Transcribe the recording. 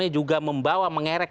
juga membawa mengerik